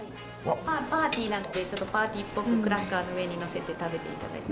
パーティーなんでちょっとパーティーっぽくクラッカーの上にのせて食べて頂いて。